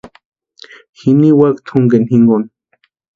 Ji niwaka túnkeni jinkoni.